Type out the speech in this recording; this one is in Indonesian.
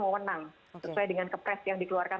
mewenang sesuai dengan kepres yang dikeluarkan